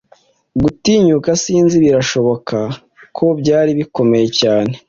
Gutinyuka sinzi birashoboka ko byari bikomeye cyane